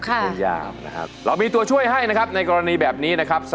พยายามนะครับเรามีตัวช่วยให้นะครับในกรณีแบบนี้นะครับ